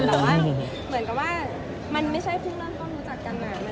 แต่ว่าเหมือนกับว่ามันไม่ใช่เพิ่งเริ่มต้นรู้จักกัน